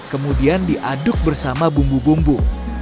kemudian diaduk bersama bumbu bumbu